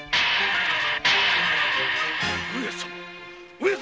上様？